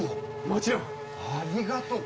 もちろん！ありがとう！